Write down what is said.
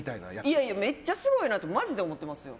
いやいやめっちゃすごいなとマジで思ってますよ。